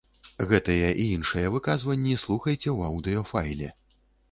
Гэтыя і іншыя выказванні слухайце ў аўдыёфайле.